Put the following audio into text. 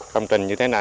công trình như thế này